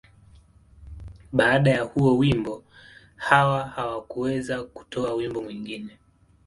Baada ya huo wimbo, Hawa hakuweza kutoa wimbo mwingine.